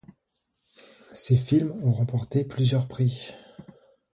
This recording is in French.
Ses films ont remporté plusieurs prix.